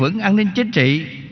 giữ vững an ninh chính trị